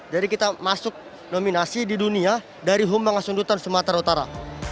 jadi kita masuk nominasi di dunia dari kumbang haus undutan sumatera utara